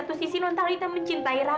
tuan teddy juga mencintai raka